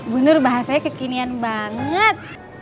bu nur bahasanya kekinian banget